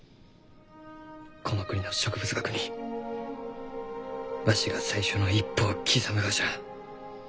この国の植物学にわしが最初の一歩を刻むがじゃ。